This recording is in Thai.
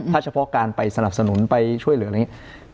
ถ้าเฉพาะการไปสนับสนุนไปช่วยเหลืออะไรอย่างนี้